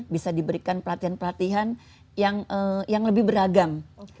bisa diberikan pelatihan pelatihan yang lebih beragam